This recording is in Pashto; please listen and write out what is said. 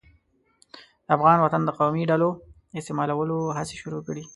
د افغان وطن د قومي ډلو استعمالولو هڅې شروع کړې.